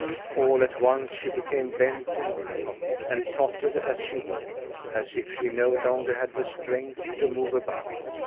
All at once she became bent and gray, and tottered as she walked; as if she no longer had the strength to move about.